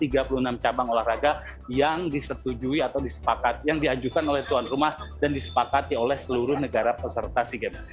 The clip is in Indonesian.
ada tiga puluh enam cabang olahraga yang disetujui atau disepakat yang diajukan oleh tuan rumah dan disepakati oleh seluruh negara peserta sea games